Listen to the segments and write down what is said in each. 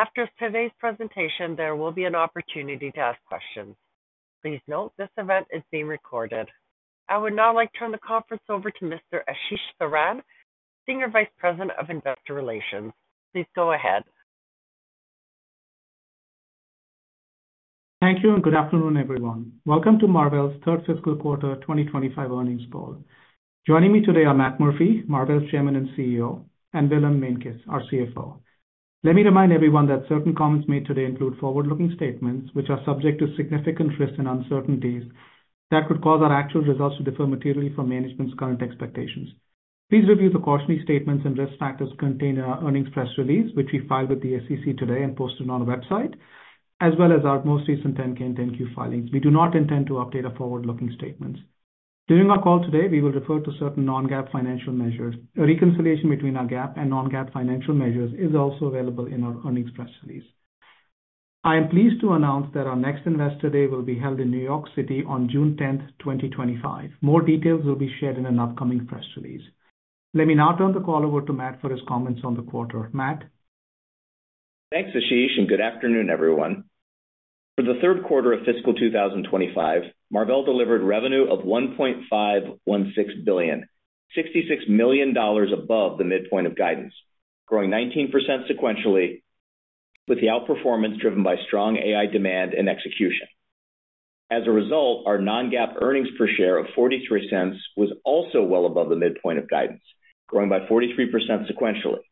After today's presentation, there will be an opportunity to ask questions. Please note this event is being recorded. I would now like to turn the conference over to Mr. Ashish Saran, Senior Vice President of Investor Relations. Please go ahead. Thank you, and good afternoon, everyone. Welcome to Marvell's third fiscal quarter 2025 earnings call. Joining me today are Matt Murphy, Marvell's Chairman and CEO, and Willem Meintjes, our CFO. Let me remind everyone that certain comments made today include forward-looking statements, which are subject to significant risks and uncertainties that could cause our actual results to differ materially from management's current expectations. Please review the cautionary statements and risk factors contained in our earnings press release, which we filed with the SEC today and posted on our website, as well as our most recent Form 10-K and Form 10-Q filings. We do not intend to update our forward-looking statements. During our call today, we will refer to certain non-GAAP financial measures. A reconciliation between our GAAP and non-GAAP financial measures is also available in our earnings press release. I am pleased to announce that our next Investor Day will be held in New York City on June 10, 2025. More details will be shared in an upcoming press release. Let me now turn the call over to Matt for his comments on the quarter. Matt? Thanks, Ashish, and good afternoon, everyone. For the third quarter of fiscal 2025, Marvell delivered revenue of $1.516 billion, $66 million above the midpoint of guidance, growing 19% sequentially, with the outperformance driven by strong AI demand and execution. As a result, our non-GAAP earnings per share of $0.43 was also well above the midpoint of guidance, growing by 43% sequentially.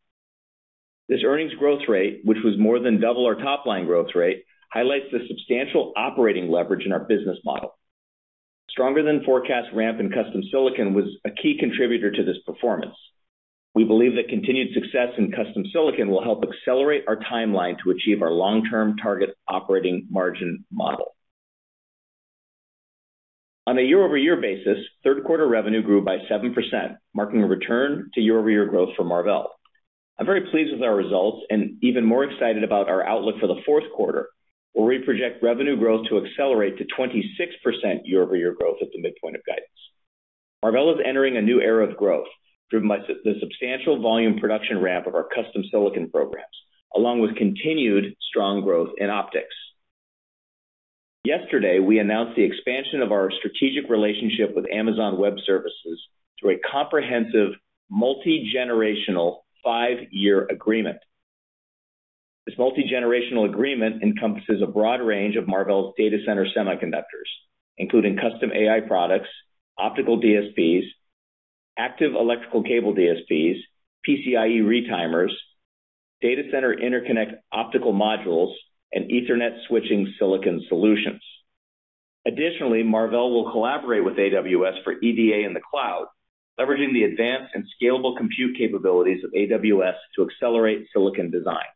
This earnings growth rate, which was more than double our top-line growth rate, highlights the substantial operating leverage in our business model. Stronger-than-forecast ramp in custom silicon was a key contributor to this performance. We believe that continued success in custom silicon will help accelerate our timeline to achieve our long-term target operating margin model. On a year-over-year basis, third-quarter revenue grew by 7%, marking a return to year-over-year growth for Marvell. I'm very pleased with our results and even more excited about our outlook for the fourth quarter, where we project revenue growth to accelerate to 26% year-over-year growth at the midpoint of guidance. Marvell is entering a new era of growth, driven by the substantial volume production ramp of our custom silicon programs, along with continued strong growth in optics. Yesterday, we announced the expansion of our strategic relationship with Amazon Web Services through a comprehensive multi-generational five-year agreement. This multi-generational agreement encompasses a broad range of Marvell's data center semiconductors, including custom AI products, optical DSPs, active electrical cable DSPs, PCIe retimers, data center interconnect optical modules, and Ethernet switching silicon solutions. Additionally, Marvell will collaborate with AWS for EDA in the cloud, leveraging the advanced and scalable compute capabilities of AWS to accelerate silicon design.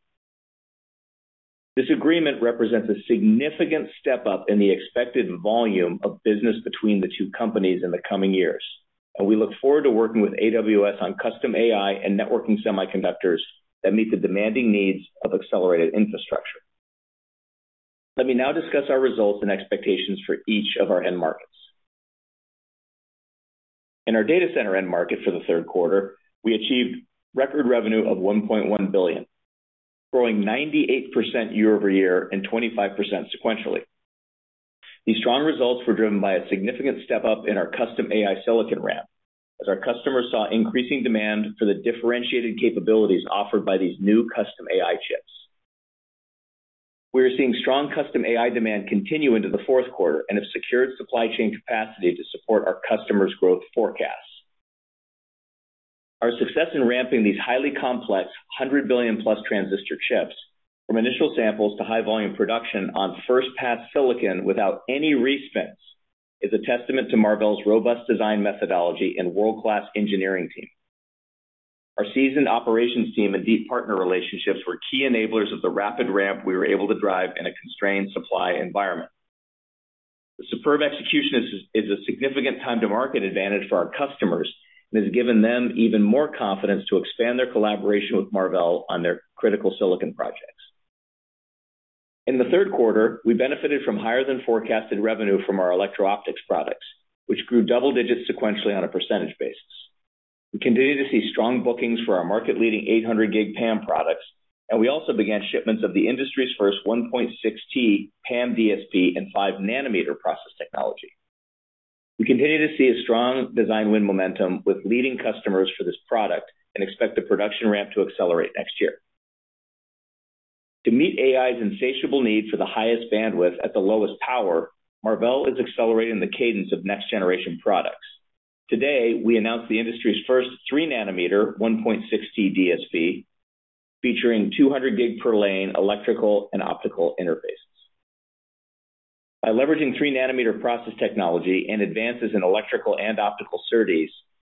This agreement represents a significant step up in the expected volume of business between the two companies in the coming years, and we look forward to working with AWS on custom AI and networking semiconductors that meet the demanding needs of accelerated infrastructure. Let me now discuss our results and expectations for each of our end markets. In our data center end market for the third quarter, we achieved record revenue of $1.1 billion, growing 98% year-over-year and 25% sequentially. These strong results were driven by a significant step up in our custom AI silicon ramp, as our customers saw increasing demand for the differentiated capabilities offered by these new custom AI chips. We are seeing strong custom AI demand continue into the fourth quarter and have secured supply chain capacity to support our customers' growth forecasts. Our success in ramping these highly complex, 100 billion+ transistor chips, from initial samples to high-volume production on first-pass silicon without any respins, is a testament to Marvell's robust design methodology and world-class engineering team. Our seasoned operations team and deep partner relationships were key enablers of the rapid ramp we were able to drive in a constrained supply environment. The superb execution is a significant time-to-market advantage for our customers and has given them even more confidence to expand their collaboration with Marvell on their critical silicon projects. In the third quarter, we benefited from higher-than-forecasted revenue from our electro-optics products, which grew double digits sequentially on a percentage basis. We continue to see strong bookings for our market-leading 800GB PAM products, and we also began shipments of the industry's first 1.6T PAM DSP and 5nm process technology. We continue to see a strong design win momentum with leading customers for this product and expect the production ramp to accelerate next year. To meet AI's insatiable need for the highest bandwidth at the lowest power, Marvell is accelerating the cadence of next-generation products. Today, we announced the industry's first 3nm 1.6T DSP, featuring 200 GB per lane electrical and optical interfaces. By leveraging 3nm process technology and advances in electrical and optical SerDes,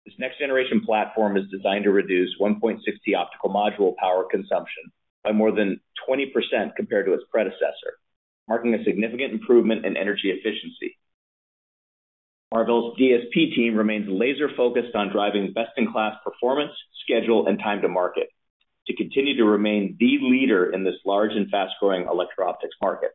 this next-generation platform is designed to reduce 1.6T optical module power consumption by more than 20% compared to its predecessor, marking a significant improvement in energy efficiency. Marvell's DSP team remains laser-focused on driving best-in-class performance, schedule, and time-to-market to continue to remain the leader in this large and fast-growing electro-optics market.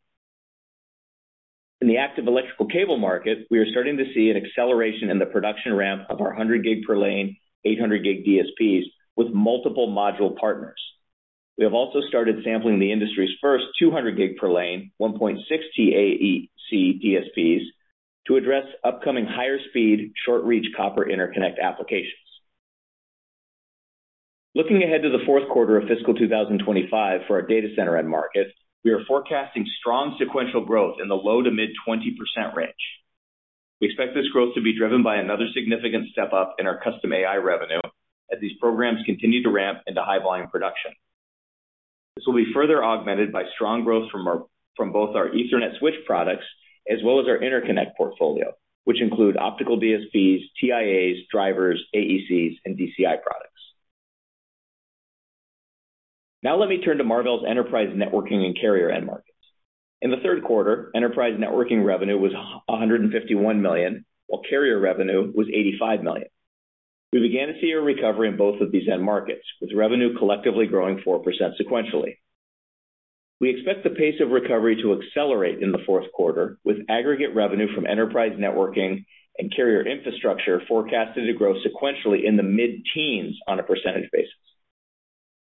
In the active electrical cable market, we are starting to see an acceleration in the production ramp of our 100GB per lane 800GB DSPs with multiple module partners. We have also started sampling the industry's first 200GB per lane 1.6T AEC DSPs to address upcoming higher-speed, short-reach copper interconnect applications. Looking ahead to the fourth quarter of fiscal 2025 for our data center end market, we are forecasting strong sequential growth in the low to mid 20% range. We expect this growth to be driven by another significant step up in our custom AI revenue as these programs continue to ramp into high-volume production. This will be further augmented by strong growth from both our Ethernet switch products as well as our interconnect portfolio, which include optical DSPs, TIAs, drivers, AECs, and DCI products. Now let me turn to Marvell's enterprise networking and carrier end markets. In the third quarter, enterprise networking revenue was $151 million, while carrier revenue was $85 million. We began to see a recovery in both of these end markets, with revenue collectively growing 4% sequentially. We expect the pace of recovery to accelerate in the fourth quarter, with aggregate revenue from enterprise networking and carrier infrastructure forecasted to grow sequentially in the mid-teens on a percentage basis.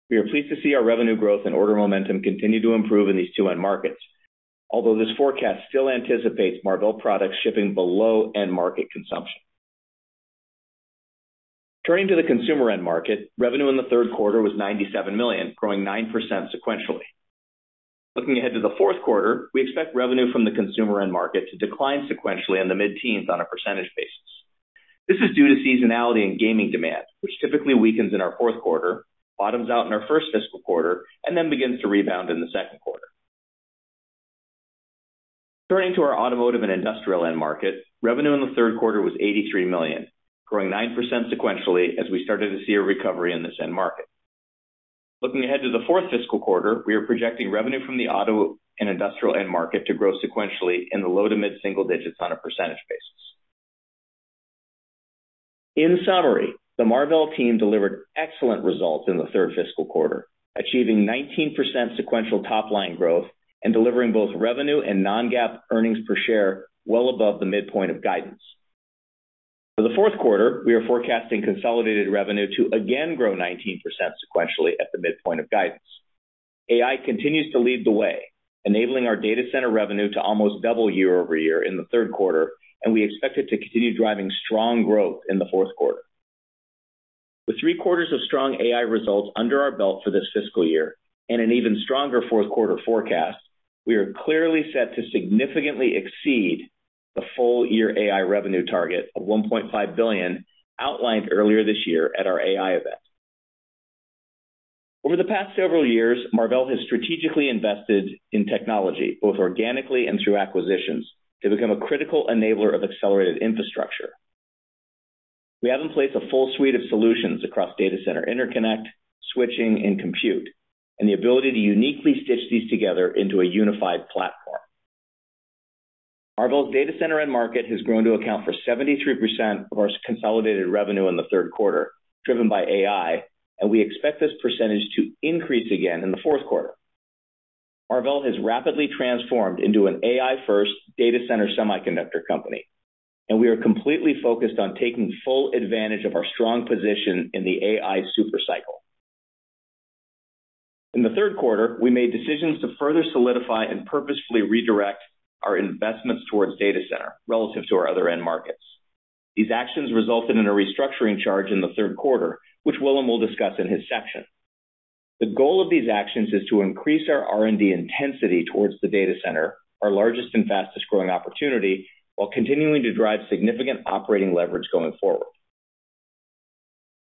We are pleased to see our revenue growth and order momentum continue to improve in these two end markets, although this forecast still anticipates Marvell products shipping below end market consumption. Turning to the consumer end market, revenue in the third quarter was $97 million, growing 9% sequentially. Looking ahead to the fourth quarter, we expect revenue from the consumer end market to decline sequentially in the mid-teens on a percentage basis. This is due to seasonality and gaming demand, which typically weakens in our fourth quarter, bottoms out in our first fiscal quarter, and then begins to rebound in the second quarter. Turning to our automotive and industrial end market, revenue in the third quarter was $83 million, growing 9% sequentially as we started to see a recovery in this end market. Looking ahead to the fourth fiscal quarter, we are projecting revenue from the auto and industrial end market to grow sequentially in the low- to mid-single digits on a percentage basis. In summary, the Marvell team delivered excellent results in the third fiscal quarter, achieving 19% sequential top-line growth and delivering both revenue and non-GAAP earnings per share well above the midpoint of guidance. For the fourth quarter, we are forecasting consolidated revenue to again grow 19% sequentially at the midpoint of guidance. AI continues to lead the way, enabling our data center revenue to almost double year-over-year in the third quarter, and we expect it to continue driving strong growth in the fourth quarter. With three quarters of strong AI results under our belt for this fiscal year and an even stronger fourth quarter forecast, we are clearly set to significantly exceed the full-year AI revenue target of $1.5 billion outlined earlier this year at our AI event. Over the past several years, Marvell has strategically invested in technology, both organically and through acquisitions, to become a critical enabler of accelerated infrastructure. We have in place a full suite of solutions across data center interconnect, switching, and compute, and the ability to uniquely stitch these together into a unified platform. Marvell's data center end market has grown to account for 73% of our consolidated revenue in the third quarter, driven by AI, and we expect this percentage to increase again in the fourth quarter. Marvell has rapidly transformed into an AI-first data center semiconductor company, and we are completely focused on taking full advantage of our strong position in the AI supercycle. In the third quarter, we made decisions to further solidify and purposefully redirect our investments towards data center relative to our other end markets. These actions resulted in a restructuring charge in the third quarter, which Willem will discuss in his section. The goal of these actions is to increase our R&D intensity towards the data center, our largest and fastest-growing opportunity, while continuing to drive significant operating leverage going forward.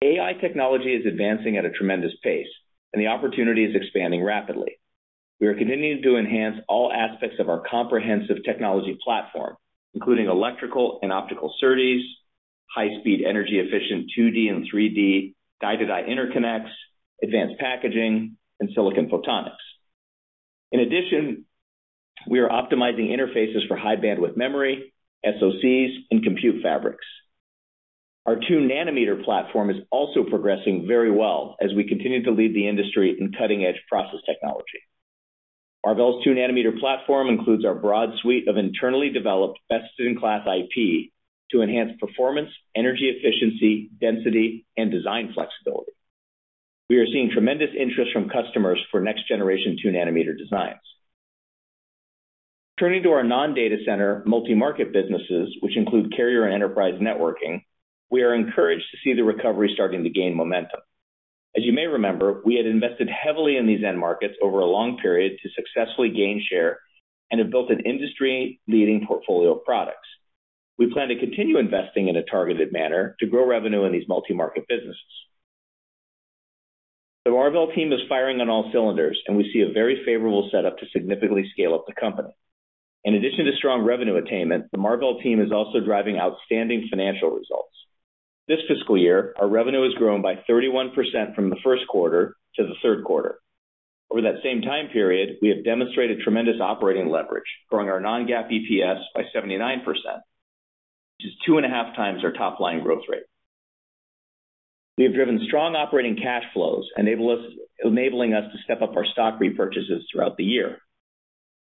AI technology is advancing at a tremendous pace, and the opportunity is expanding rapidly. We are continuing to enhance all aspects of our comprehensive technology platform, including electrical and optical SerDes, high-speed energy-efficient 2D and 3D, die-to-die interconnects, advanced packaging, and silicon photonics. In addition, we are optimizing interfaces for high-bandwidth memory, SoCs, and compute fabrics. Our 2nm platform is also progressing very well as we continue to lead the industry in cutting-edge process technology. Marvell's 2nm platform includes our broad suite of internally developed best-in-class IP to enhance performance, energy efficiency, density, and design flexibility. We are seeing tremendous interest from customers for next-generation 2nm designs. Turning to our non-data center multi-market businesses, which include carrier and enterprise networking, we are encouraged to see the recovery starting to gain momentum. As you may remember, we had invested heavily in these end markets over a long period to successfully gain share and have built an industry-leading portfolio of products. We plan to continue investing in a targeted manner to grow revenue in these multi-market businesses. The Marvell team is firing on all cylinders, and we see a very favorable setup to significantly scale up the company. In addition to strong revenue attainment, the Marvell team is also driving outstanding financial results. This fiscal year, our revenue has grown by 31% from the first quarter to the third quarter. Over that same time period, we have demonstrated tremendous operating leverage, growing our non-GAAP EPS by 79%, which is 2.5x our top-line growth rate. We have driven strong operating cash flows, enabling us to step up our stock repurchases throughout the year.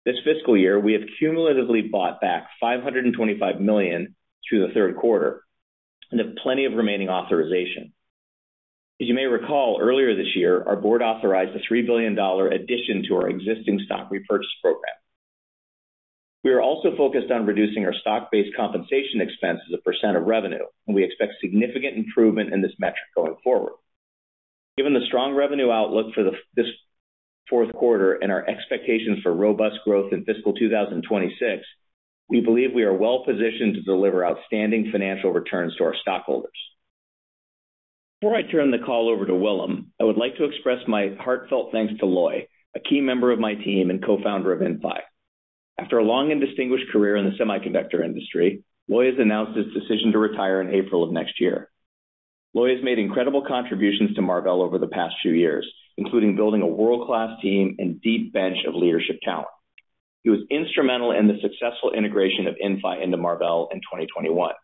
This fiscal year, we have cumulatively bought back $525 million through the third quarter and have plenty of remaining authorization. As you may recall, earlier this year, our board authorized a $3 billion addition to our existing stock repurchase program. We are also focused on reducing our stock-based compensation expenses to 1% of revenue, and we expect significant improvement in this metric going forward. Given the strong revenue outlook for this fourth quarter and our expectations for robust growth in fiscal 2026, we believe we are well-positioned to deliver outstanding financial returns to our stockholders. Before I turn the call over to Willem, I would like to express my heartfelt thanks to Loi, a key member of my team and co-founder of Inphi. After a long and distinguished career in the semiconductor industry, Loi has announced his decision to retire in April of next year. Loi has made incredible contributions to Marvell over the past few years, including building a world-class team and deep bench of leadership talent. He was instrumental in the successful integration of Inphi into Marvell in 2021.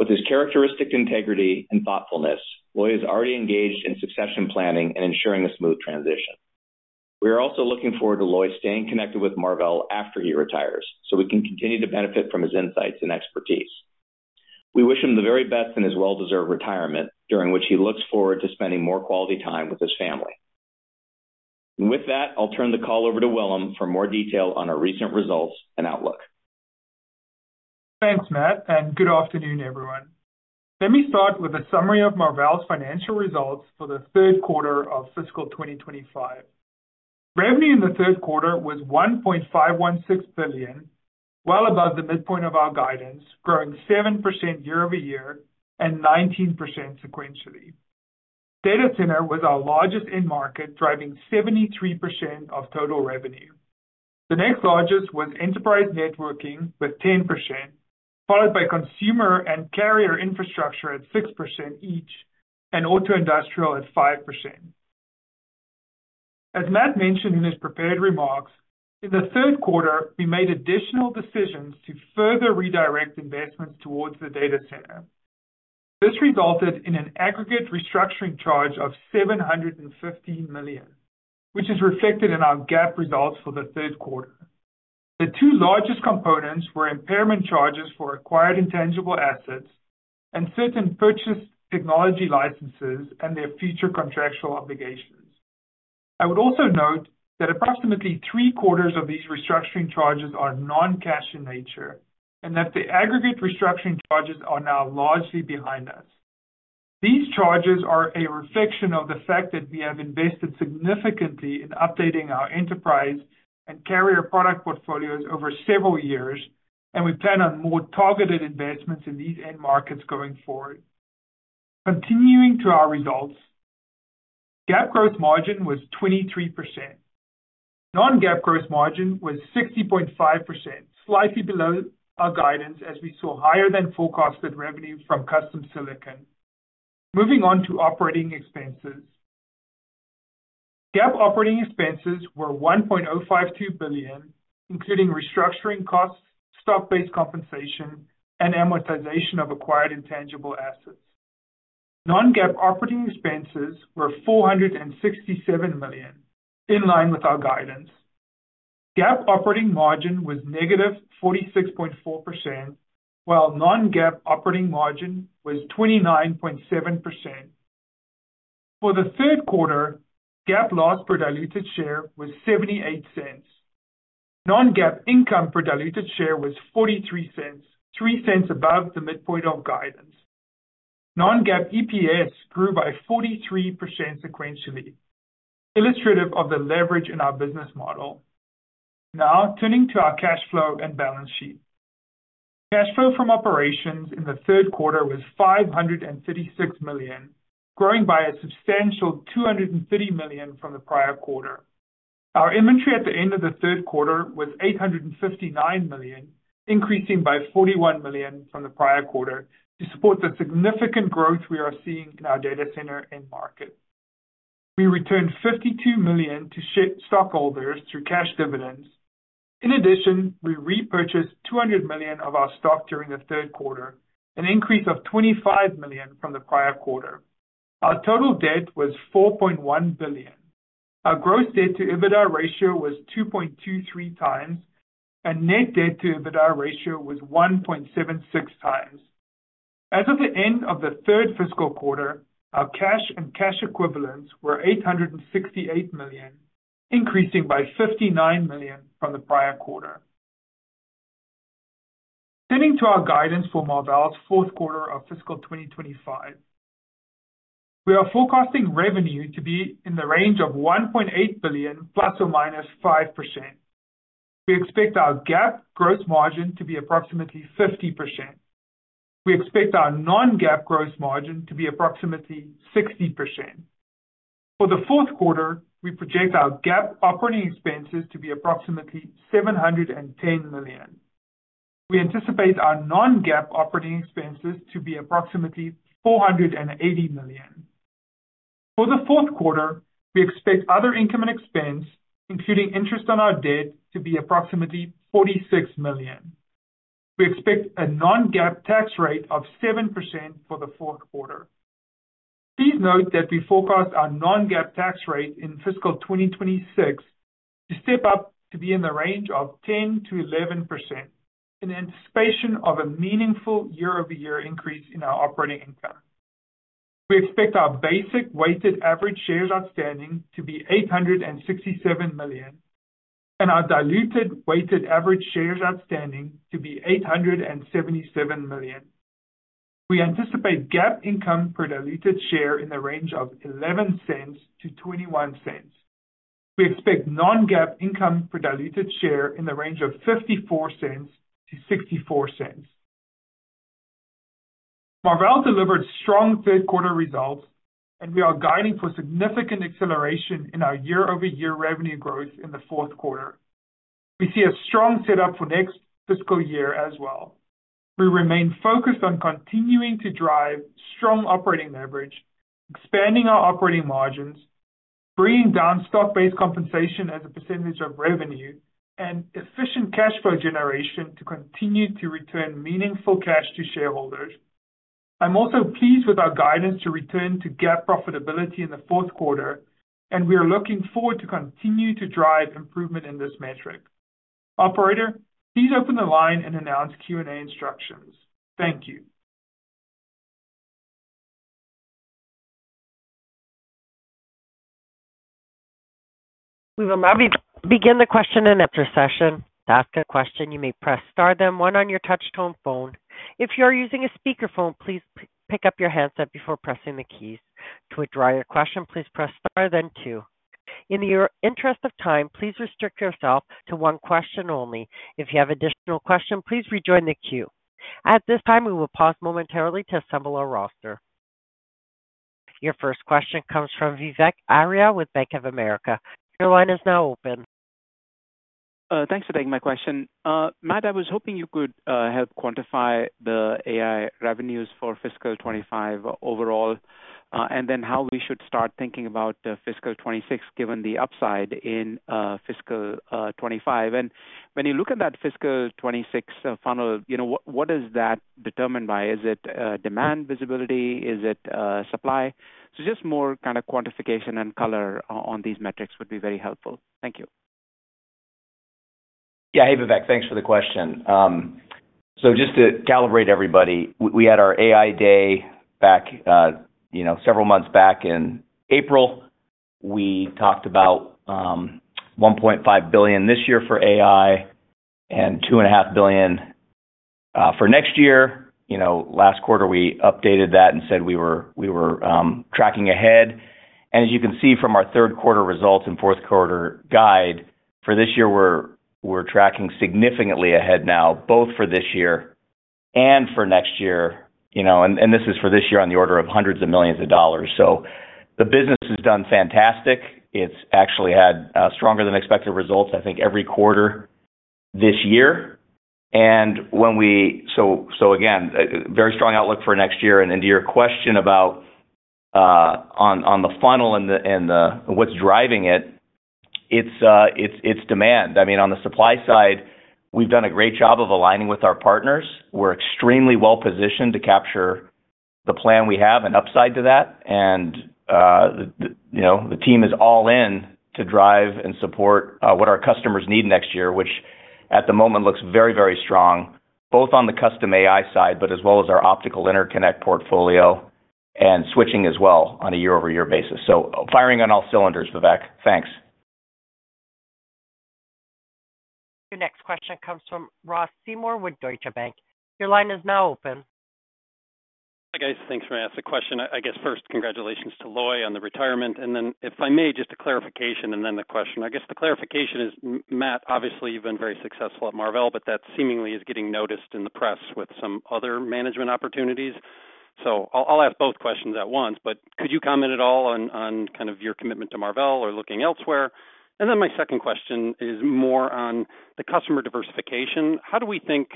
With his characteristic integrity and thoughtfulness, Loi has already engaged in succession planning and ensuring a smooth transition. We are also looking forward to Loi staying connected with Marvell after he retires so we can continue to benefit from his insights and expertise. We wish him the very best in his well-deserved retirement, during which he looks forward to spending more quality time with his family. And with that, I'll turn the call over to Willem for more detail on our recent results and outlook. Thanks, Matt, and good afternoon, everyone. Let me start with a summary of Marvell's financial results for the third quarter of fiscal 2025. Revenue in the third quarter was $1.516 billion, well above the midpoint of our guidance, growing 7% year-over-year and 19% sequentially. Data center was our largest in-market, driving 73% of total revenue. The next largest was enterprise networking with 10%, followed by consumer and carrier infrastructure at 6% each and auto industrial at 5%. As Matt mentioned in his prepared remarks, in the third quarter, we made additional decisions to further redirect investments towards the data center. This resulted in an aggregate restructuring charge of $715 million, which is reflected in our GAAP results for the third quarter. The two largest components were impairment charges for acquired intangible assets and certain purchased technology licenses and their future contractual obligations. I would also note that approximately three-quarters of these restructuring charges are non-cash in nature and that the aggregate restructuring charges are now largely behind us. These charges are a reflection of the fact that we have invested significantly in updating our enterprise and carrier product portfolios over several years, and we plan on more targeted investments in these end markets going forward. Continuing to our results, GAAP gross margin was 23%. Non-GAAP gross margin was 60.5%, slightly below our guidance as we saw higher-than-forecast revenue from custom silicon. Moving on to operating expenses, GAAP operating expenses were $1.052 billion, including restructuring costs, stock-based compensation, and amortization of acquired intangible assets. Non-GAAP operating expenses were $467 million, in line with our guidance. GAAP operating margin was negative 46.4%, while non-GAAP operating margin was 29.7%. For the third quarter, GAAP loss per diluted share was $0.78. Non-GAAP income per diluted share was $0.43, three cents above the midpoint of guidance. Non-GAAP EPS grew by 43% sequentially, illustrative of the leverage in our business model. Now turning to our cash flow and balance sheet. Cash flow from operations in the third quarter was $536 million, growing by a substantial $230 million from the prior quarter. Our inventory at the end of the third quarter was $859 million, increasing by $41 million from the prior quarter to support the significant growth we are seeing in our data center end market. We returned $52 million to our shareholders through cash dividends. In addition, we repurchased $200 million of our stock during the third quarter, an increase of $25 million from the prior quarter. Our total debt was $4.1 billion. Our gross debt-to-EBITDA ratio was 2.23x, and net debt-to-EBITDA ratio was 1.76x. As of the end of the third fiscal quarter, our cash and cash equivalents were $868 million, increasing by $59 million from the prior quarter. Turning to our guidance for Marvell's fourth quarter of fiscal 2025, we are forecasting revenue to be in the range of $1.8 billion, ±5%. We expect our GAAP gross margin to be approximately 50%. We expect our non-GAAP gross margin to be approximately 60%. For the fourth quarter, we project our GAAP operating expenses to be approximately $710 million. We anticipate our non-GAAP operating expenses to be approximately $480 million. For the fourth quarter, we expect other income and expense, including interest on our debt, to be approximately $46 million. We expect a non-GAAP tax rate of 7% for the fourth quarter. Please note that we forecast our non-GAAP tax rate in fiscal 2026 to step up to be in the range of 10%-11%, in anticipation of a meaningful year-over-year increase in our operating income. We expect our basic weighted average shares outstanding to be $867 million and our diluted weighted average shares outstanding to be $877 million. We anticipate GAAP income per diluted share in the range of $0.11-$0.21. We expect non-GAAP income per diluted share in the range of $0.54-$0.64. Marvell delivered strong third-quarter results, and we are guiding for significant acceleration in our year-over-year revenue growth in the fourth quarter. We see a strong setup for next fiscal year as well. We remain focused on continuing to drive strong operating leverage, expanding our operating margins, bringing down stock-based compensation as a percentage of revenue, and efficient cash flow generation to continue to return meaningful cash to shareholders. I'm also pleased with our guidance to return to GAAP profitability in the fourth quarter, and we are looking forward to continue to drive improvement in this metric. Operator, please open the line and announce Q&A instructions. Thank you. We will now begin the question-and-answer session. To ask a question, you may press star, then one on your touch-tone phone. If you are using a speakerphone, please pick up your handset before pressing the keys. To withdraw your question, please press star, then two. In the interest of time, please restrict yourself to one question only. If you have additional questions, please rejoin the queue. At this time, we will pause momentarily to assemble our roster. Your first question comes from Vivek Arya with Bank of America. Your line is now open. Thanks for taking my question. Matt, I was hoping you could help quantify the AI revenues for fiscal 2025 overall, and then how we should start thinking about fiscal 2026 given the upside in fiscal 2025. And when you look at that fiscal 2026 funnel, what is that determined by? Is it demand visibility? Is it supply? So just more kind of quantification and color on these metrics would be very helpful. Thank you. Yeah, hey, Vivek, thanks for the question. So just to calibrate everybody, we had our AI Day back several months back in April. We talked about $1.5 billion this year for AI and $2.5 billion for next year. Last quarter, we updated that and said we were tracking ahead. And as you can see from our third-quarter results and fourth-quarter guide, for this year, we're tracking significantly ahead now, both for this year and for next year. And this is for this year on the order of hundreds of millions of dollars. So the business has done fantastic. It's actually had stronger-than-expected results, I think, every quarter this year. And so again, a very strong outlook for next year. And to your question about the funnel and what's driving it, it's demand. I mean, on the supply side, we've done a great job of aligning with our partners. We're extremely well-positioned to capture the plan we have and upside to that. And the team is all in to drive and support what our customers need next year, which at the moment looks very, very strong, both on the custom AI side, but as well as our optical interconnect portfolio and switching as well on a year-over-year basis. So firing on all cylinders, Vivek. Thanks. Your next question comes from Ross Seymore with Deutsche Bank. Your line is now open. Hi, guys. Thanks for asking the question. I guess first, congratulations to Loi on the retirement. And then if I may, just a clarification and then the question. I guess the clarification is, Matt, obviously, you've been very successful at Marvell, but that seemingly is getting noticed in the press with some other management opportunities. So I'll ask both questions at once, but could you comment at all on kind of your commitment to Marvell or looking elsewhere? And then my second question is more on the customer diversification. How do we think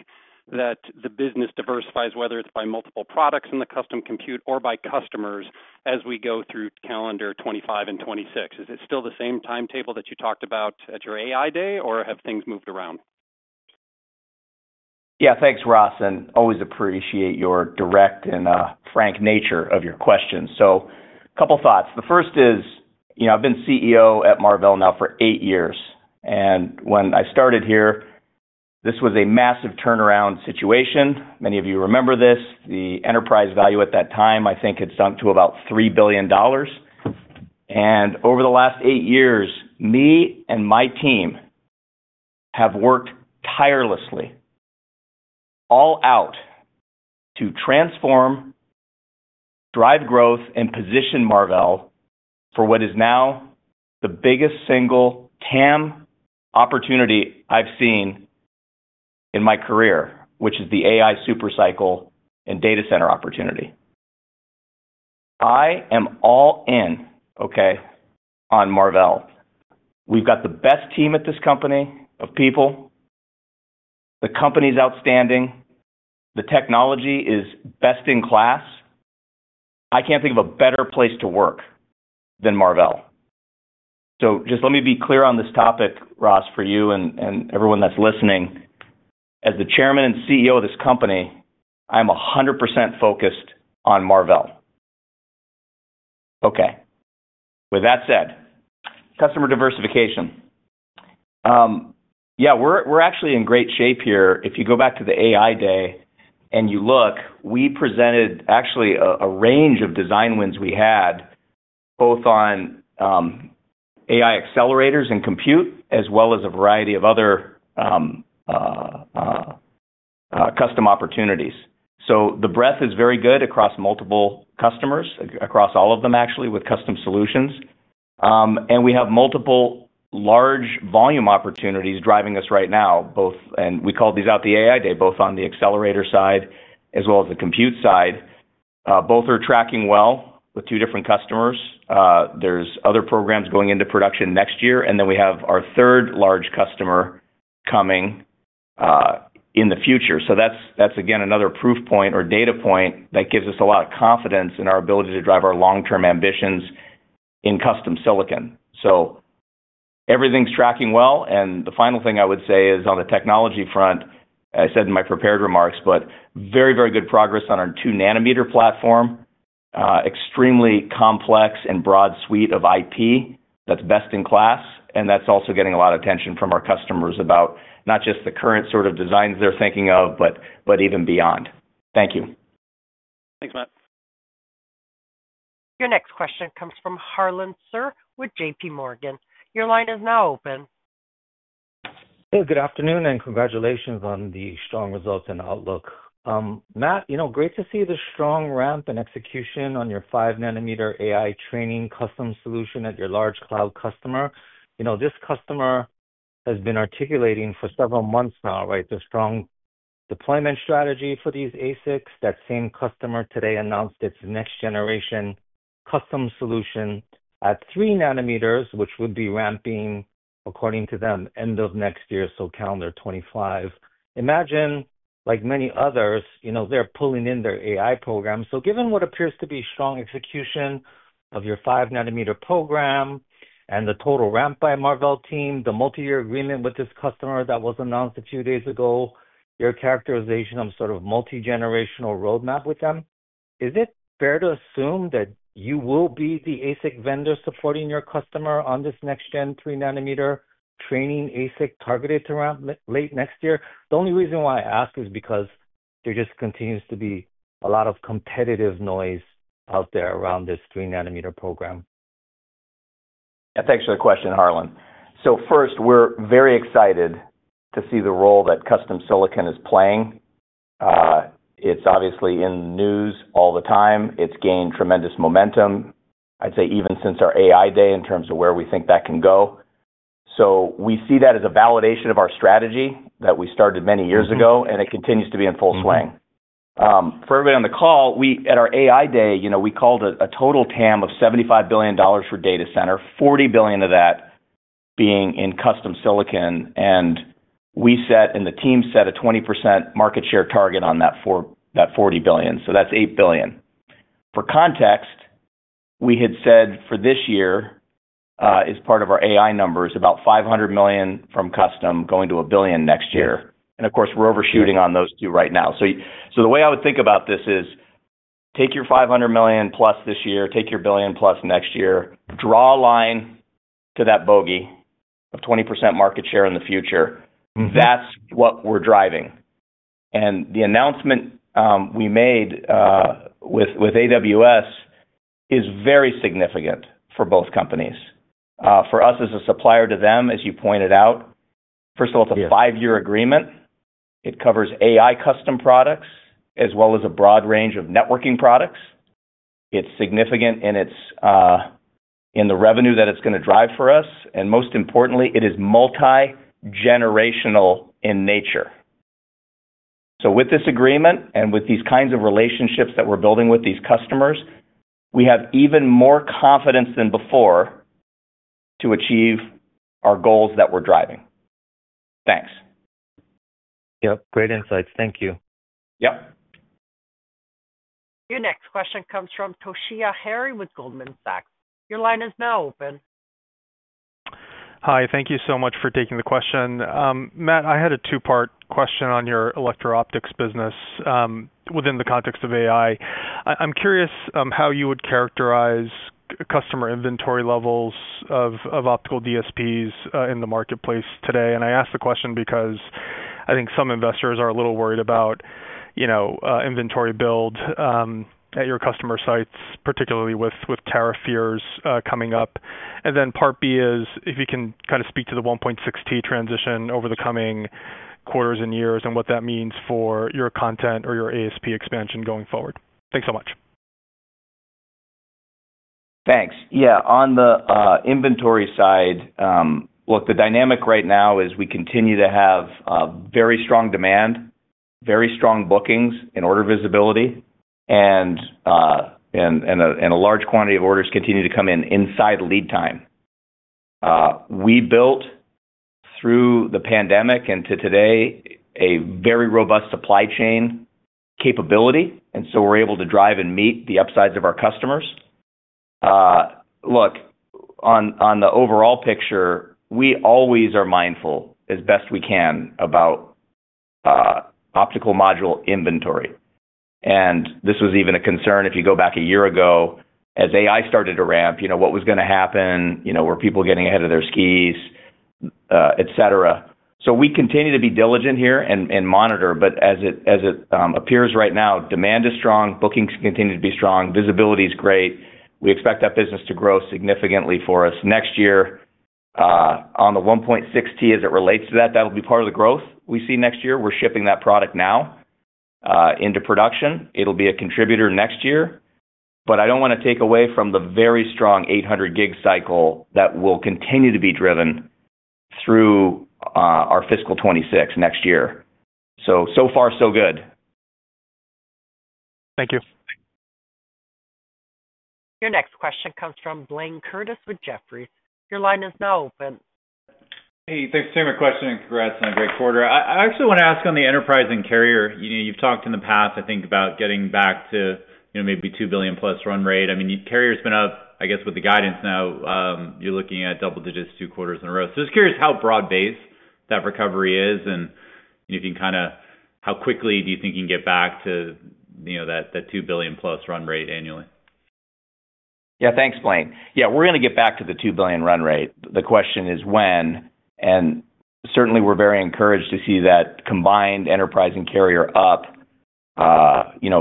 that the business diversifies, whether it's by multiple products in the custom compute or by customers as we go through calendar 2025 and 2026? Is it still the same timetable that you talked about at your AI Day, or have things moved around? Yeah, thanks, Ross. And always appreciate your direct and frank nature of your questions. So a couple of thoughts. The first is, I've been CEO at Marvell now for eight years. And when I started here, this was a massive turnaround situation. Many of you remember this. The enterprise value at that time, I think, had sunk to about $3 billion, and over the last eight years, me and my team have worked tirelessly, all out, to transform, drive growth, and position Marvell for what is now the biggest single TAM opportunity I've seen in my career, which is the AI supercycle and data center opportunity. I am all in, okay, on Marvell. We've got the best team at this company of people. The company's outstanding. The technology is best in class. I can't think of a better place to work than Marvell. Just let me be clear on this topic, Ross, for you and everyone that's listening. As the Chairman and CEO of this company, I am 100% focused on Marvell. Okay. With that said, customer diversification. Yeah, we're actually in great shape here. If you go back to the AI Day and you look, we presented actually a range of design wins we had, both on AI accelerators and compute, as well as a variety of other custom opportunities. So the breadth is very good across multiple customers, across all of them, actually, with custom solutions. And we have multiple large volume opportunities driving us right now, both, and we called these out the AI Day, both on the accelerator side as well as the compute side. Both are tracking well with two different customers. There's other programs going into production next year. And then we have our third large customer coming in the future. So that's, again, another proof point or data point that gives us a lot of confidence in our ability to drive our long-term ambitions in custom silicon. So everything's tracking well. The final thing I would say is on the technology front. I said in my prepared remarks, but very, very good progress on our 2nm platform, extremely complex and broad suite of IP that's best in class. That's also getting a lot of attention from our customers about not just the current sort of designs they're thinking of, but even beyond. Thank you. Thanks, Matt. Your next question comes from Harlan Sur with JPMorgan. Your line is now open. Hey, good afternoon, and congratulations on the strong results and outlook. Matt, great to see the strong ramp in execution on your 5nm AI training custom solution at your large cloud customer. This customer has been articulating for several months now, right, the strong deployment strategy for these ASICs. That same customer today announced its next-generation custom solution at 3nm, which would be ramping, according to them, end of next year, so calendar 2025. Amazon, like many others, they're pulling in their AI program. So given what appears to be strong execution of your 5nmprogram and the total ramp by Marvell team, the multi-year agreement with this customer that was announced a few days ago, your characterization of sort of multi-generational roadmap with them, is it fair to assume that you will be the ASIC vendor supporting your customer on this next-gen 3nm training ASIC targeted to ramp late next year? The only reason why I ask is because there just continues to be a lot of competitive noise out there around this 3nm program. Yeah, thanks for the question, Harlan. So first, we're very excited to see the role that custom silicon is playing. It's obviously in the news all the time. It's gained tremendous momentum, I'd say, even since our AI Day in terms of where we think that can go. So we see that as a validation of our strategy that we started many years ago, and it continues to be in full swing. For everybody on the call, at our AI Day, we called a total TAM of $75 billion for data center, $40 billion of that being in custom silicon, and we set and the team set a 20% market share target on that $40 billion, so that's $8 billion. For context, we had said for this year, as part of our AI numbers, about $500 million from custom going to $1 billion next year, and of course, we're overshooting on those two right now. So the way I would think about this is take your $500 million+ this year, take your $1 billion+ next year, draw a line to that bogey of 20% market share in the future. That's what we're driving. And the announcement we made with AWS is very significant for both companies. For us as a supplier to them, as you pointed out, first of all, it's a five-year agreement. It covers AI custom products as well as a broad range of networking products. It's significant in the revenue that it's going to drive for us. And most importantly, it is multi-generational in nature. So with this agreement and with these kinds of relationships that we're building with these customers, we have even more confidence than before to achieve our goals that we're driving. Thanks. Yep. Great insights. Thank you. Yep. Your next question comes from Toshiya Hari with Goldman Sachs. Your line is now open. Hi. Thank you so much for taking the question. Matt, I had a two-part question on your electro-optics business within the context of AI. I'm curious how you would characterize customer inventory levels of optical DSPs in the marketplace today. And I ask the question because I think some investors are a little worried about inventory build at your customer sites, particularly with tariff fears coming up. And then part B is if you can kind of speak to the 1.6T transition over the coming quarters and years and what that means for your content or your ASP expansion going forward. Thanks so much. Thanks. Yeah. On the inventory side, look, the dynamic right now is we continue to have very strong demand, very strong bookings and order visibility, and a large quantity of orders continue to come in inside lead time. We built, through the pandemic and to today, a very robust supply chain capability, and so we're able to drive and meet the upsides of our customers. Look, on the overall picture, we always are mindful as best we can about optical module inventory, and this was even a concern if you go back a year ago as AI started to ramp, what was going to happen? Were people getting ahead of their skis, etc., so we continue to be diligent here and monitor, but as it appears right now, demand is strong, bookings continue to be strong, visibility is great. We expect that business to grow significantly for us next year. On the 1.6T, as it relates to that, that will be part of the growth we see next year. We're shipping that product now into production. It'll be a contributor next year. But I don't want to take away from the very strong 800GB cycle that will continue to be driven through our fiscal 2026 next year. So far, so good. Thank you. Your next question comes from Blayne Curtis with Jefferies. Your line is now open. Hey, thanks for taking my question and congrats on a great quarter. I actually want to ask on the enterprise and carrier. You've talked in the past, I think, about getting back to maybe $2 billion+ run rate. I mean, carriers have been up, I guess, with the guidance now. You're looking at double digits two quarters in a row. So I'm just curious how broad-based that recovery is and if you can kind of how quickly do you think you can get back to that $2 billion+ run rate annually? Yeah, thanks, Blayne. Yeah, we're going to get back to the $2 billion run rate. The question is when. And certainly, we're very encouraged to see that combined enterprise and carrier up 4% in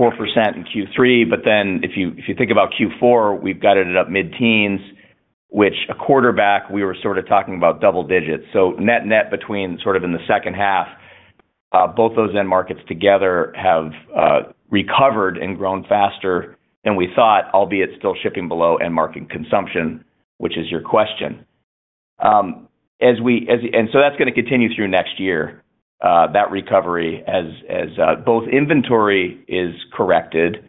Q3. But then if you think about Q4, we've got it at up mid-teens, which, a quarter back, we were sort of talking about double digits. So net-net between sort of in the second half, both those end markets together have recovered and grown faster than we thought, albeit still shipping below end market consumption, which is your question. And so that's going to continue through next year, that recovery, as both inventory is corrected,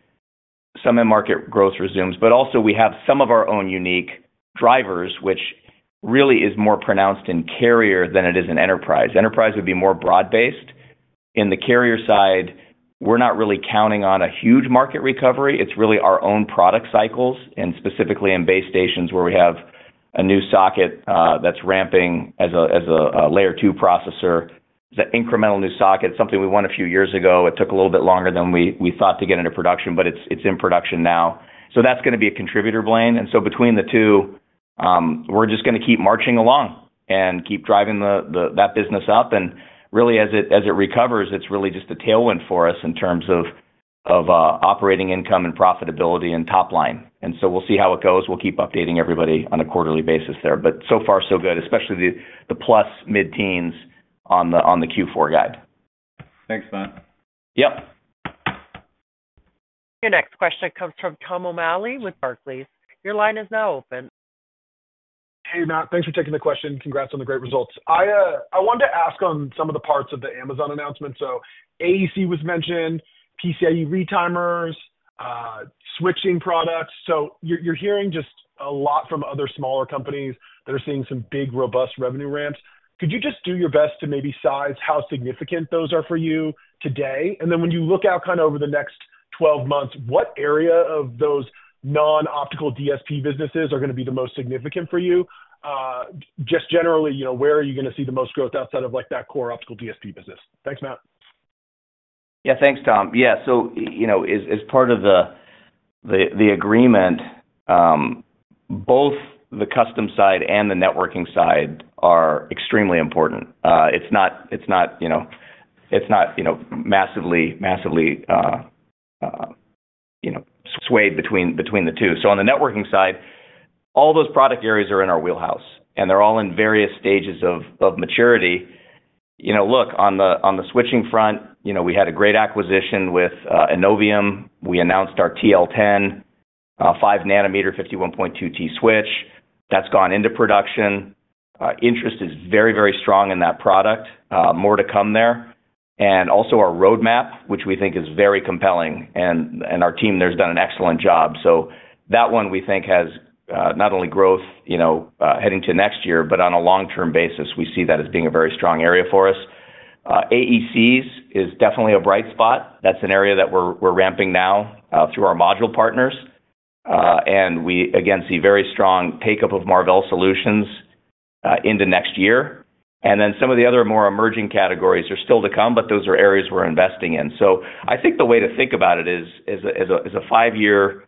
some end market growth resumes. But also, we have some of our own unique drivers, which really is more pronounced in carrier than it is in enterprise. Enterprise would be more broad-based. In the carrier side, we're not really counting on a huge market recovery. It's really our own product cycles and specifically in base stations where we have a new socket that's ramping as a layer two processor. It's an incremental new socket. It's something we won a few years ago. It took a little bit longer than we thought to get into production, but it's in production now. So that's going to be a contributor, Blayne. And so between the two, we're just going to keep marching along and keep driving that business up. And really, as it recovers, it's really just a tailwind for us in terms of operating income and profitability and top line. And so we'll see how it goes. We'll keep updating everybody on a quarterly basis there. But so far, so good, especially the plus mid-teens on the Q4 guide. Thanks, Matt. Yep. Your next question comes from Tom O'Malley with Barclays. Your line is now open. Hey, Matt. Thanks for taking the question. Congrats on the great results. I wanted to ask on some of the parts of the Amazon announcement. So AEC was mentioned, PCIe retimers, switching products. So you're hearing just a lot from other smaller companies that are seeing some big, robust revenue ramps. Could you just do your best to maybe size how significant those are for you today? And then when you look out kind of over the next 12 months, what area of those non-optical DSP businesses are going to be the most significant for you? Just generally, where are you going to see the most growth outside of that core optical DSP business? Thanks, Tom. Yeah, so as part of the agreement, both the custom side and the networking side are extremely important. It's not massively swayed between the two. So on the networking side, all those product areas are in our wheelhouse, and they're all in various stages of maturity. Look, on the switching front, we had a great acquisition with Innovium. We announced our TL10 5nm 51.2T switch. That's gone into production. Interest is very, very strong in that product. More to come there, and also our roadmap, which we think is very compelling, and our team there has done an excellent job. So that one, we think, has not only growth heading to next year, but on a long-term basis, we see that as being a very strong area for us. AECs is definitely a bright spot. That's an area that we're ramping now through our module partners. And we, again, see very strong take-up of Marvell Solutions into next year. And then some of the other more emerging categories are still to come, but those are areas we're investing in. So I think the way to think about it is as a five-year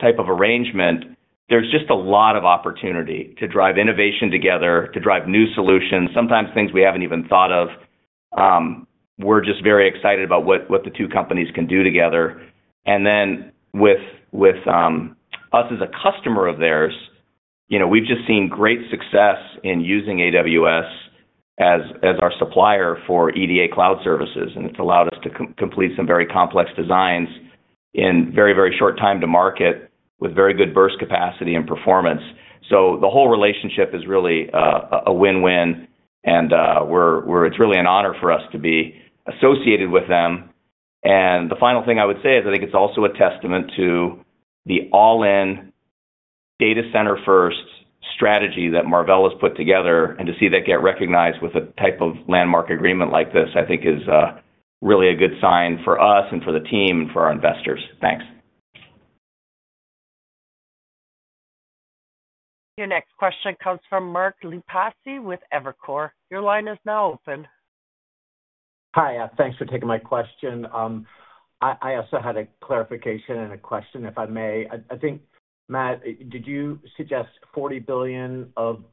type of arrangement. There's just a lot of opportunity to drive innovation together, to drive new solutions, sometimes things we haven't even thought of. We're just very excited about what the two companies can do together. And then with us as a customer of theirs, we've just seen great success in using AWS as our supplier for EDA cloud services. And it's allowed us to complete some very complex designs in very, very short time to market with very good burst capacity and performance. So the whole relationship is really a win-win. And it's really an honor for us to be associated with them. And the final thing I would say is I think it's also a testament to the all-in data center-first strategy that Marvell has put together. And to see that get recognized with a type of landmark agreement like this, I think, is really a good sign for us and for the team and for our investors. Thanks. Your next question comes from Mark Lipacis with Evercore. Your line is now open. Hi. Thanks for taking my question. I also had a clarification and a question, if I may. I think, Matt, did you suggest $40 billion of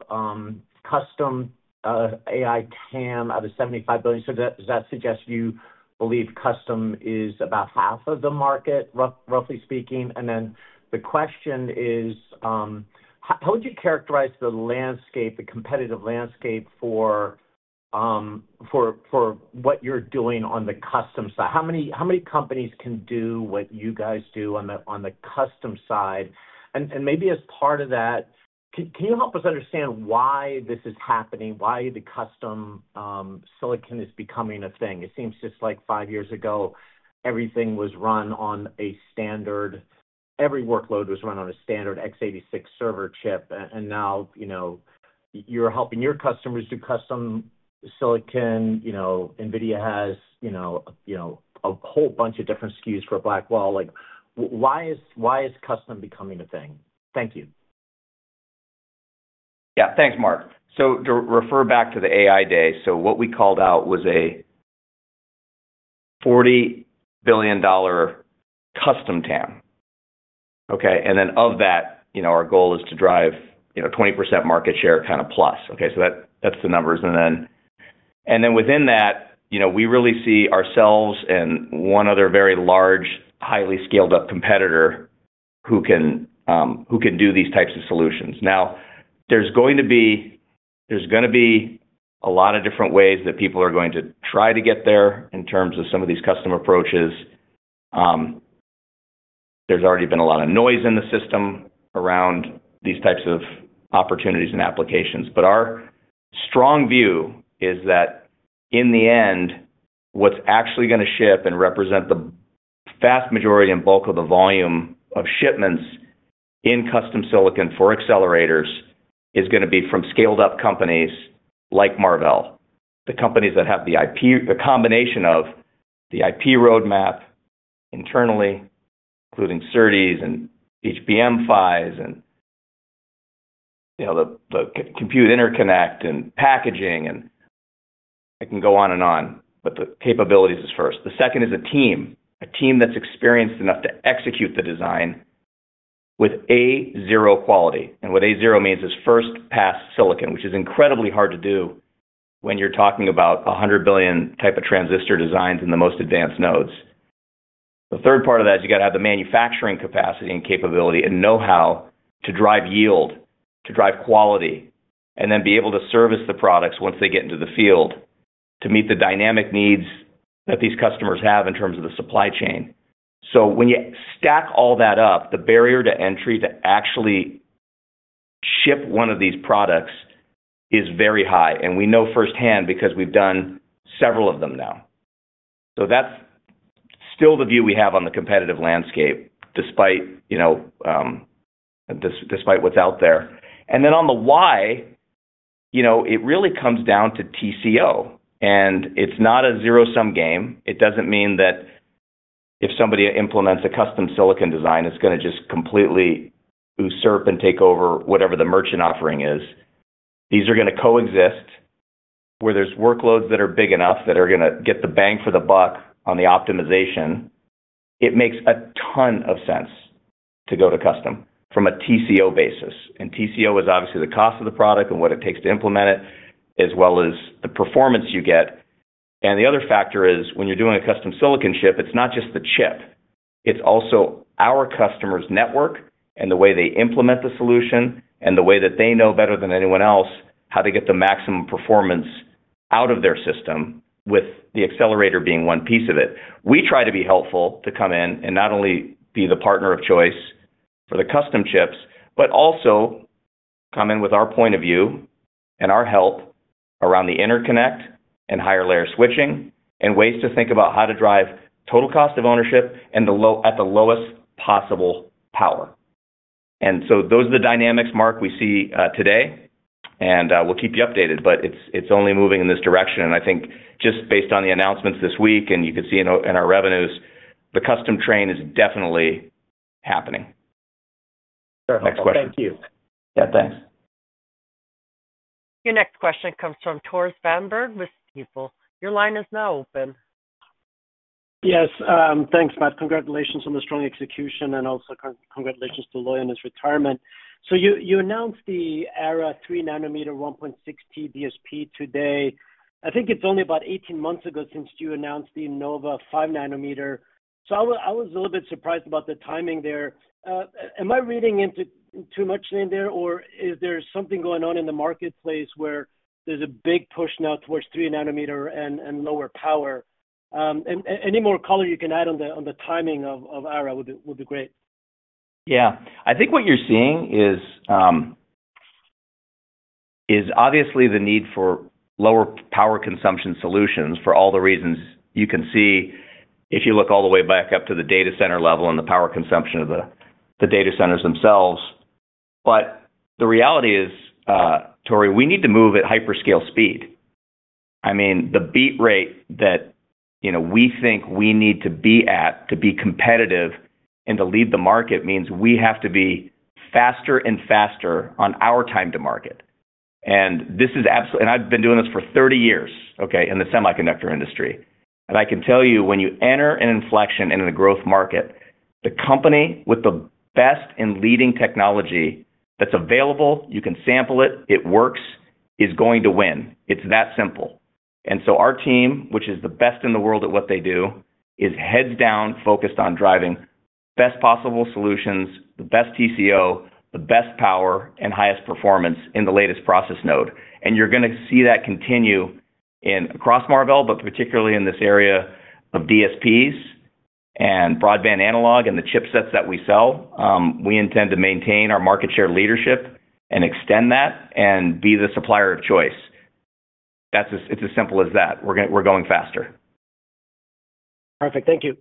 custom AI TAM out of $75 billion? So does that suggest you believe custom is about half of the market, roughly speaking? And then the question is, how would you characterize the landscape, the competitive landscape for what you're doing on the custom side? How many companies can do what you guys do on the custom side? And maybe as part of that, can you help us understand why this is happening, why the custom silicon is becoming a thing? It seems just like five years ago, everything was run on a standard, every workload was run on a standard x86 server chip. And now you're helping your customers do custom silicon. NVIDIA has a whole bunch of different SKUs for Blackwell. Why is custom becoming a thing? Thank you. Yeah. Thanks, Mark. So to refer back to the AI Day, so what we called out was a $40 billion custom TAM. Okay. And then of that, our goal is to drive 20% market share kind of plus. Okay. So that's the numbers. And then within that, we really see ourselves and one other very large, highly scaled-up competitor who can do these types of solutions. Now, there's going to be a lot of different ways that people are going to try to get there in terms of some of these custom approaches. There's already been a lot of noise in the system around these types of opportunities and applications. Our strong view is that in the end, what's actually going to ship and represent the vast majority and bulk of the volume of shipments in custom silicon for accelerators is going to be from scaled-up companies like Marvell, the companies that have the IP, the combination of the IP roadmap internally, including SerDes and HBM PHYs and the Compute Interconnect and packaging. I can go on and on, but the capabilities is first. The second is a team, a team that's experienced enough to execute the design with A0 quality. What A0 means is first-pass silicon, which is incredibly hard to do when you're talking about 100-billion-type of transistor designs in the most advanced nodes. The third part of that is you got to have the manufacturing capacity and capability and know-how to drive yield, to drive quality, and then be able to service the products once they get into the field to meet the dynamic needs that these customers have in terms of the supply chain. So when you stack all that up, the barrier to entry to actually ship one of these products is very high. And we know firsthand because we've done several of them now. So that's still the view we have on the competitive landscape despite what's out there. And then on the why, it really comes down to TCO. And it's not a zero-sum game. It doesn't mean that if somebody implements a custom silicon design, it's going to just completely usurp and take over whatever the merchant offering is. These are going to coexist where there's workloads that are big enough that are going to get the bang for the buck on the optimization. It makes a ton of sense to go to custom from a TCO basis, and TCO is obviously the cost of the product and what it takes to implement it, as well as the performance you get, and the other factor is when you're doing a custom silicon chip. It's not just the chip. It's also our customer's network and the way they implement the solution and the way that they know better than anyone else how to get the maximum performance out of their system with the accelerator being one piece of it. We try to be helpful to come in and not only be the partner of choice for the custom chips, but also come in with our point of view and our help around the interconnect and higher layer switching and ways to think about how to drive total cost of ownership at the lowest possible power. And so those are the dynamics, Mark, we see today. And we'll keep you updated, but it's only moving in this direction. And I think just based on the announcements this week and you can see in our revenues, the custom Trainium is definitely happening. Next question. Thank you. Yeah, thanks. Your next question comes from Tore Svanberg with Stifel. Your line is now open. Yes. Thanks, Matt. Congratulations on the strong execution and also congratulations to Loi on his retirement. So you announced the Ara 3nm 1.6T DSP today. I think it's only about 18 months ago since you announced the Nova 5nm. So I was a little bit surprised about the timing there. Am I reading into too much in there, or is there something going on in the marketplace where there's a big push now towards 3nm and lower power? Any more color you can add on the timing of Ara would be great. Yeah. I think what you're seeing is obviously the need for lower power consumption solutions for all the reasons you can see if you look all the way back up to the data center level and the power consumption of the data centers themselves. But the reality is, Tore, we need to move at hyperscale speed. I mean, the beat rate that we think we need to be at to be competitive and to lead the market means we have to be faster and faster on our time to market, and I've been doing this for 30 years, okay, in the semiconductor industry, and I can tell you when you enter an inflection in a growth market, the company with the best and leading technology that's available, you can sample it, it works, is going to win. It's that simple, and so our team, which is the best in the world at what they do, is heads down, focused on driving the best possible solutions, the best TCO, the best power, and highest performance in the latest process node, and you're going to see that continue across Marvell, but particularly in this area of DSPs and broadband analog and the chipsets that we sell. We intend to maintain our market share leadership and extend that and be the supplier of choice. It's as simple as that. We're going faster. Perfect. Thank you.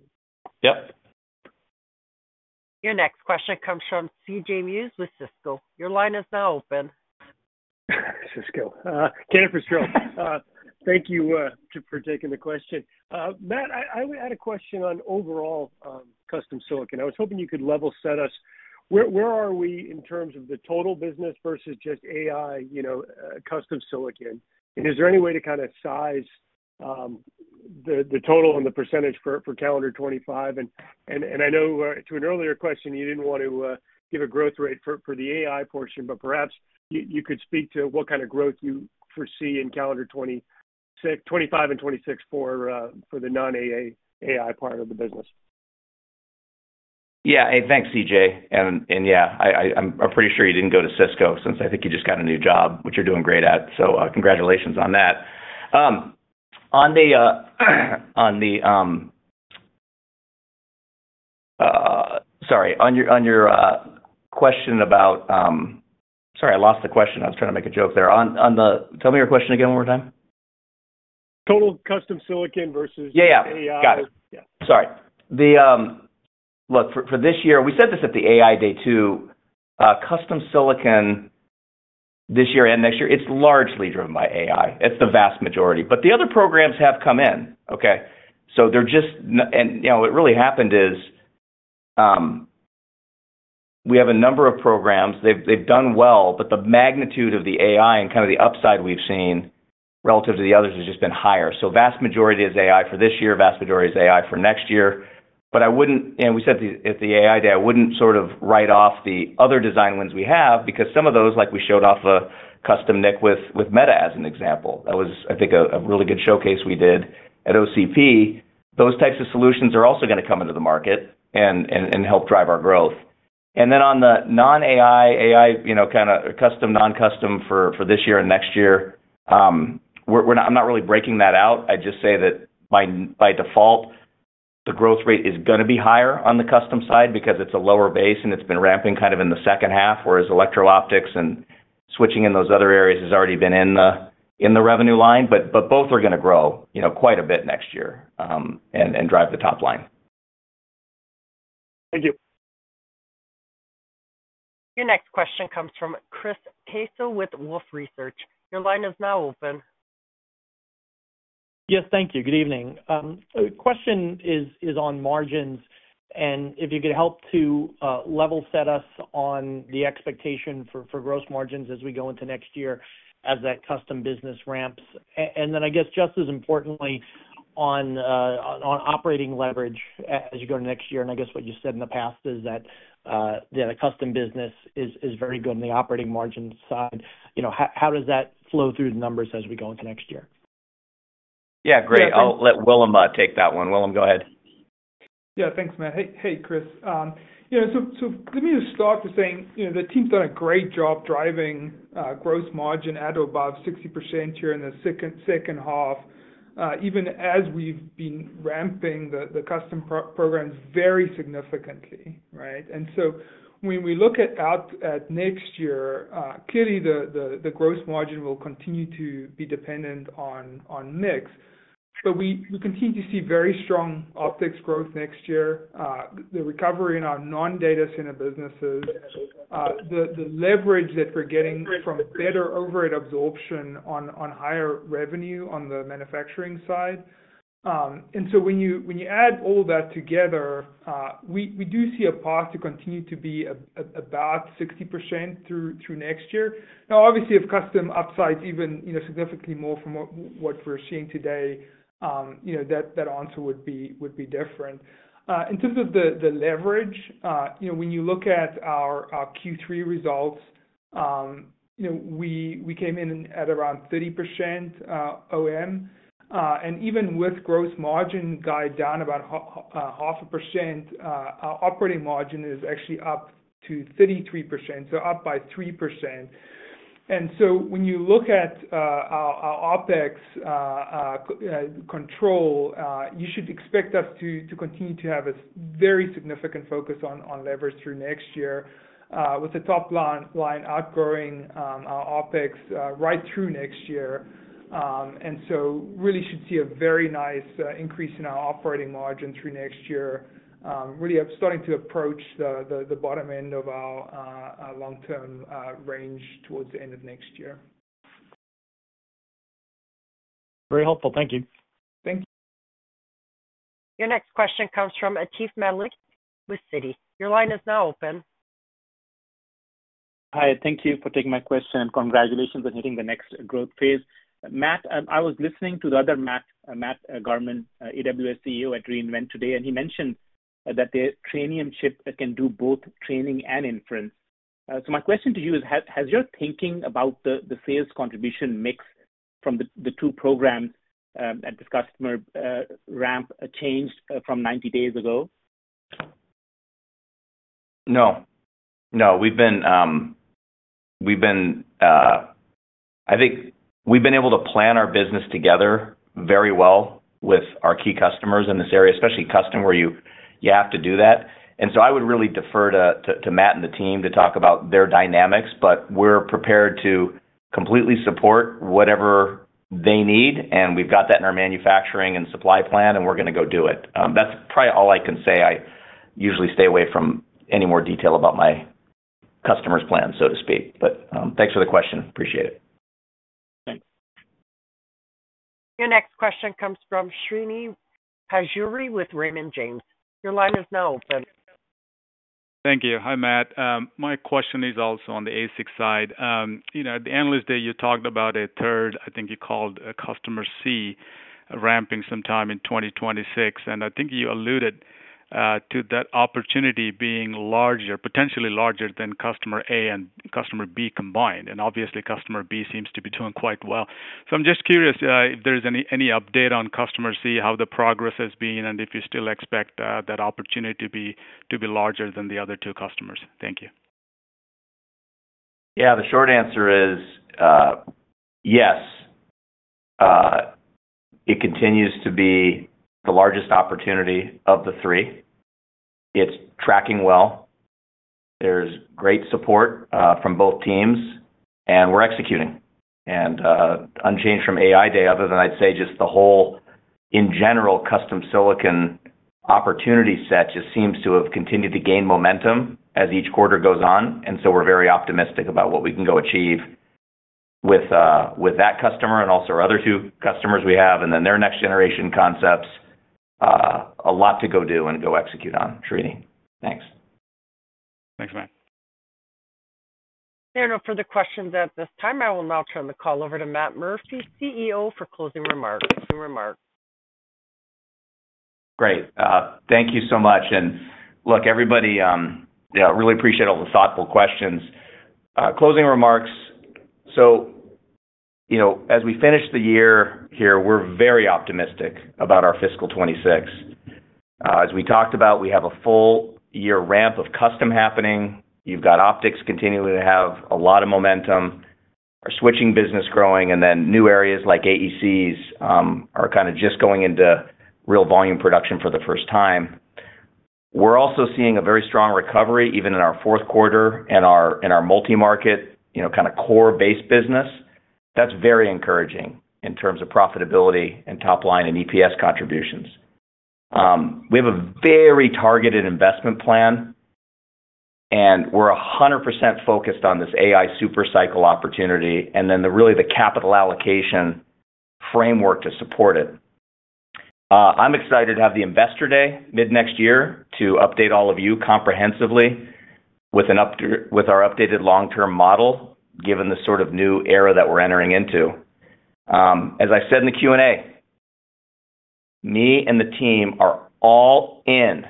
Yep. Your next question comes from CJ Muse with Cisco. Your line is now open. Cisco? Cantor Fitzgerald, thank you for taking the question. Matt, I would add a question on overall custom silicon. I was hoping you could level set us. Where are we in terms of the total business versus just AI custom silicon? And is there any way to kind of size the total and the percentage for calendar 2025? And I know to an earlier question, you didn't want to give a growth rate for the AI portion, but perhaps you could speak to what kind of growth you foresee in calendar 2025 and 2026 for the non-AI part of the business. Yeah. Hey, thanks, CJ. Yeah, I'm pretty sure you didn't go to Cisco since I think you just got a new job, which you're doing great at. So congratulations on that. On the - sorry. On your question about - sorry, I lost the question. I was trying to make a joke there. Tell me your question again one more time. Total custom silicon versus AI. Yeah, yeah. Got it. Yeah. Sorry. Look, for this year, we said this at the AI Day too, custom silicon this year and next year, it's largely driven by AI. It's the vast majority. But the other programs have come in, okay? So they're just - and what really happened is we have a number of programs. They've done well, but the magnitude of the AI and kind of the upside we've seen relative to the others has just been higher. So vast majority is AI for this year, vast majority is AI for next year. But I wouldn't, and we said at the AI Day, I wouldn't sort of write off the other design wins we have because some of those, like we showed off a custom NIC with Meta as an example. That was, I think, a really good showcase we did at OCP. Those types of solutions are also going to come into the market and help drive our growth. And then on the non-AI, AI kind of custom, non-custom for this year and next year, I'm not really breaking that out. I just say that by default, the growth rate is going to be higher on the custom side because it is a lower base and it has been ramping kind of in the second half, whereas optics and switching in those other areas has already been in the revenue line. But both are going to grow quite a bit next year and drive the top line. Thank you. Your next question comes from Chris Caso with Wolfe Research. Your line is now open. Yes, thank you. Good evening. The question is on margins, and if you could help to level set us on the expectation for gross margins as we go into next year as that custom business ramps. And then I guess just as importantly on operating leverage as you go into next year. And I guess what you said in the past is that the custom business is very good on the operating margin side. How does that flow through the numbers as we go into next year? Yeah. Great. I'll let Willem take that one. Willem, go ahead. Yeah. Thanks, Matt. Hey, Chris. So let me just start by saying the team's done a great job driving gross margin at or above 60% here in the second half, even as we've been ramping the custom programs very significantly, right? And so when we look at next year, clearly the gross margin will continue to be dependent on mix. But we continue to see very strong optics growth next year, the recovery in our non-data center businesses, the leverage that we're getting from better overhead absorption on higher revenue on the manufacturing side. And so when you add all that together, we do see a path to continue to be about 60% through next year. Now, obviously, if custom upsides even significantly more from what we're seeing today, that answer would be different. In terms of the leverage, when you look at our Q3 results, we came in at around 30% OM. And even with gross margin guide down about 0.5%, our operating margin is actually up to 33%, so up by 3%. And so when you look at our OpEx control, you should expect us to continue to have a very significant focus on leverage through next year with the top line outgrowing our OpEx right through next year. And so really should see a very nice increase in our operating margin through next year, really starting to approach the bottom end of our long-term range towards the end of next year. Very helpful. Thank you. Thank you. Your next question comes from Atif Malik with Citi. Your line is now open. Hi. Thank you for taking my question. Congratulations on hitting the next growth phase. Matt, I was listening to the other Matt Garman, AWS CEO at re:Invent today, and he mentioned that the Trainium chip can do both training and inference. So my question to you is, has your thinking about the sales contribution mix from the two programs that this customer ramp changed from 90 days ago? No. No. I think we've been able to plan our business together very well with our key customers in this area, especially custom where you have to do that. And so I would really defer to Matt and the team to talk about their dynamics, but we're prepared to completely support whatever they need. And we've got that in our manufacturing and supply plan, and we're going to go do it. That's probably all I can say. I usually stay away from any more detail about my customer's plan, so to speak. But thanks for the question. Appreciate it. Thanks. Your next question comes from Srini Pajjuri with Raymond James. Your line is now open. Thank you. Hi, Matt. My question is also on the ASIC side. The Analyst Day you talked about 1/3, I think you called customer C ramping sometime in 2026. And I think you alluded to that opportunity being larger, potentially larger than customer A and customer B combined. And obviously, customer B seems to be doing quite well. So I'm just curious if there's any update on customer C, how the progress has been, and if you still expect that opportunity to be larger than the other two customers. Thank you. Yeah. The short answer is yes. It continues to be the largest opportunity of the three. It's tracking well. There's great support from both teams, and we're executing. And unchanged from AI Day, other than I'd say just the whole, in general, custom silicon opportunity set just seems to have continued to gain momentum as each quarter goes on. And so we're very optimistic about what we can go achieve with that customer and also our other two customers we have and then their next-generation concepts. A lot to go do and go execute on, Srini. Thanks. Thanks, Matt. There are no further questions at this time. I will now turn the call over to Matt Murphy, CEO, for closing remarks. Great. Thank you so much. And look, everybody, really appreciate all the thoughtful questions. Closing remarks. So as we finish the year here, we're very optimistic about our fiscal 2026. As we talked about, we have a full-year ramp of custom happening. You've got optics continuing to have a lot of momentum. Our switching business is growing, and then new areas like AECs are kind of just going into real volume production for the first time. We're also seeing a very strong recovery even in our fourth quarter and our multi-market kind of core base business. That's very encouraging in terms of profitability and top line and EPS contributions. We have a very targeted investment plan, and we're 100% focused on this AI supercycle opportunity and then really the capital allocation framework to support it. I'm excited to have the Investor Day mid-next year to update all of you comprehensively with our updated long-term model given the sort of new era that we're entering into. As I said in the Q&A, me and the team are all in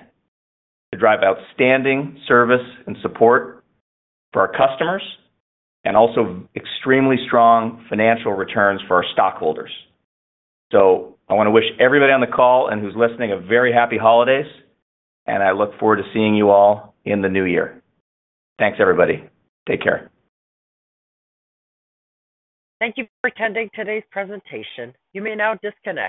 to drive outstanding service and support for our customers and also extremely strong financial returns for our stockholders. So I want to wish everybody on the call and who's listening a very happy holidays, and I look forward to seeing you all in the new year. Thanks, everybody. Take care. Thank you for attending today's presentation. You may now disconnect.